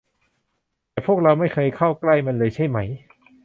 แต่พวกเราไม่เคยเข้าใกล้มันเลยใช่ไหม